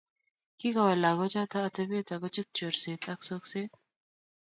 Kikowal lagochoto atebet akochut chorset ak sokset